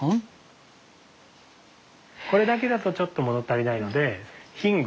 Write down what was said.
これだけだとちょっと物足りないのでヒング。